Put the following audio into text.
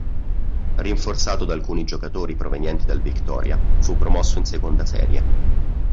Rinforzato da alcuni giocatori provenienti dal Victoria fu promosso in seconda serie.